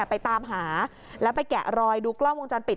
ไปตามหาแล้วไปแกะรอยดูกล้องวงจรปิด